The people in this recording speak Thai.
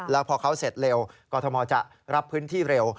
แล้วพอเขาเสร็จเร็วกรทมจะรับพื้นที่เร็ว